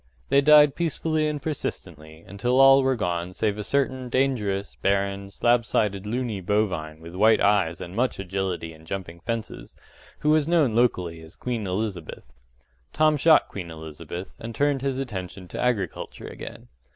They died peacefully and persistently, until all were gone save a certain dangerous, barren, slab sided luny bovine with white eyes and much agility in jumping fences, who was known locally as Queen Elizabeth. Tom shot Queen Elizabeth, and turned his attention to agriculture again.